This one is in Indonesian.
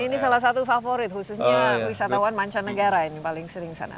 ini salah satu favorit khususnya wisatawan mancanegara ini paling sering sana